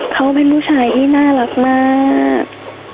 เขาเป็นผู้ชายที่น่ารักมาก